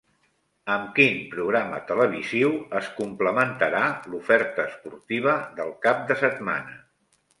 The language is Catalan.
Amb quin programa televisiu es complementarà l'oferta esportiva del cap de setmana?